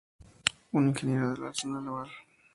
Un ingeniero del Arsenal Naval.